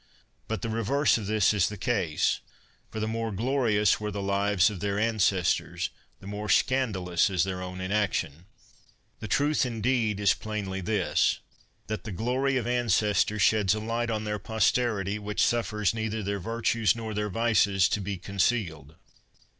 But the reverse of this is the case; for the more glorious were the lives of their ances tors, the more scandalous is their own inaction. The truth, indeed, is plainly this : that the glory of ancestors sheds a light on their posterity, which suffers neither their virtues nor their vices to be concealed.